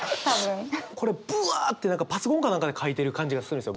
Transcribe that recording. これぶわって何かパソコンか何かで書いてる感じがするんですよ